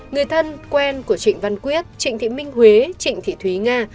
người thân quen của trịnh văn quyết trịnh thị minh huế trịnh thị thúy nga